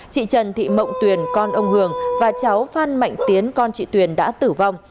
chị trần thị mộng tuyền con ông hường và cháu phan mạnh tiến con chị tuyền đã tử vong